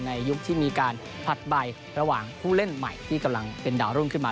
ยุคที่มีการผลัดใบระหว่างผู้เล่นใหม่ที่กำลังเป็นดาวรุ่งขึ้นมา